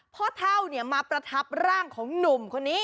พ่อเท่ามาประทับร่างของหนุ่มคนนี้